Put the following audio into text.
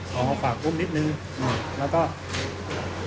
บอกแค่ว่าฝากอุ้มอย่างงี้